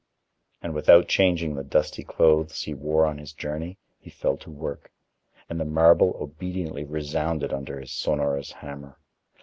And without changing the dusty clothes he wore on his journey, he fell to work, and the marble obediently resounded under his sonorous hammer.